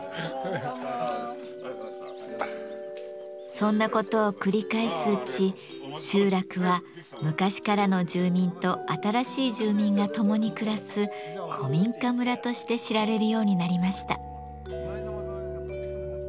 そんなことを繰り返すうち集落は昔からの住民と新しい住民が共に暮らす古民家村として知られるようになりました。